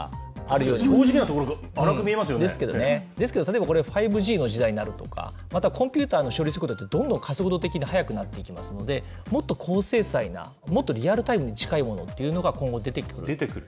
ですけど、これが５Ｇの時代になるとか、またコンピューターの処理速度って、どんどん加速度的に速くなっていきますので、もっと高精細な、もっとリアルタイムに近いものをっていうのが、今後、出てくる可能性がある。